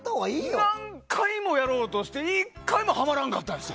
何回もやろうとして１回もはまらんかったんですよ。